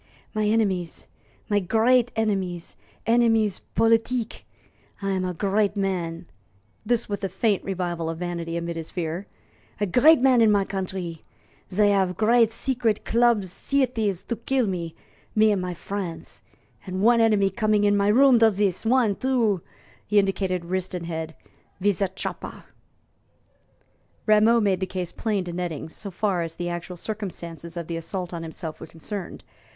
"My enemies my great enemies enemies politique. I am a great man" this with a faint revival of vanity amid his fear "a great man in my countree. Zey have great secret club sieties to kill me me and my fren's; and one enemy coming in my rooms does zis one, two" he indicated wrist and head "wiz a choppa." Rameau made the case plain to Nettings, so far as the actual circumstances of the assault on himself were concerned.